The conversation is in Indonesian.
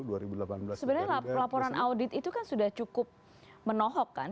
sebenarnya laporan audit itu kan sudah cukup menohok kan